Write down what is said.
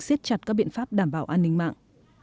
siết chặt các biện pháp đảm bảo an ninh mạng